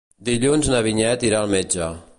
Dilluns na Vinyet irà al metge.